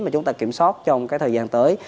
mà chúng ta kiểm soát trong cái thời gian tới